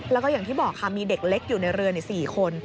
แล้วก็อย่างที่บอกค่ะมีเด็กเล็กอยู่ในเรือ๔คน